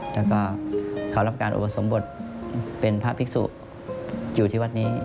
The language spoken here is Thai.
แล้วก็เขารับการอุปสมบทเป็นพระภิกษุอยู่ที่วัดนี้